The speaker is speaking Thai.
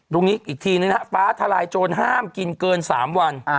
ตรงนี้อีกทีนึงนะฮะฟ้าทลายโจรห้ามกินเกิน๓วัน